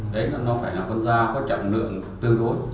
đấy nó phải là con da có trọng lượng tương đối